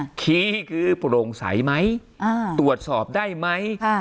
อ่าคีย์คือโปร่งใสไหมอ่าตรวจสอบได้ไหมอ่า